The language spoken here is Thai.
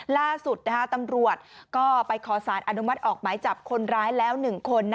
ล่าสุดตำรวจก็ไปขอสารอนุมัติออกหมายจับคนร้ายแล้ว๑คน